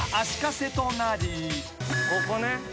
ここね。